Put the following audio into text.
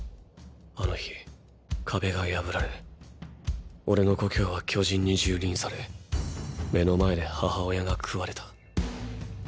あの日壁が破られオレの故郷は巨人に蹂躙され目の前で母親が食われた。